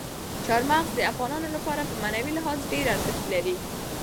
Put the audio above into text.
چار مغز د افغانانو لپاره په معنوي لحاظ ډېر ارزښت لري.